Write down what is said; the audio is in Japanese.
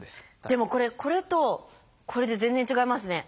でもこれこれとこれで全然違いますね。